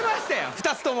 ２つとも。